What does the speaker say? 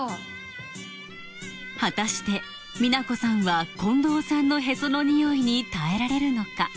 果たしてみなこさんは近藤さんのへそのニオイに耐えられるのか？